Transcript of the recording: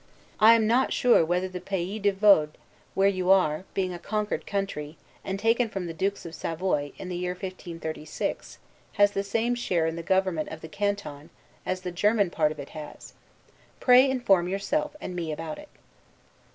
I am not sure whether the Pays de Vaud, where you are, being a conquered country, and taken from the Dukes of Savoy, in the year 1536, has the same share in the government of the Canton, as the German part of it has. Pray inform yourself and me about it.